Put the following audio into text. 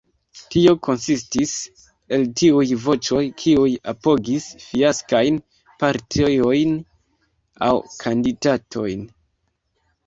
Tio konsistis el tiuj voĉoj, kiuj apogis fiaskajn partiojn, aŭ kandidatojn.